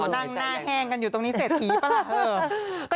นั่งหน้าแห้งกันอยู่ตรงนี้เศรษฐีปะล่ะ